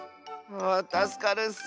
ああたすかるッス！